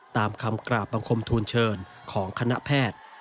ตามคำกราบบังคมทูลเชิญของคณะแพทย์